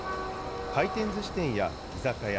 回転ずし店や居酒屋